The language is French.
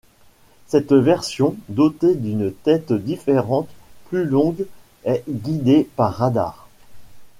Cette version, dotée d'une tête différente plus longue, est guidée par radar.